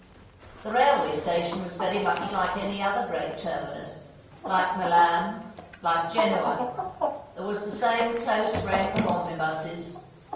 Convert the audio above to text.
The railway station was very much like any other great terminus ; like Milan, like Genoa. There was the same close rank of omnibuses.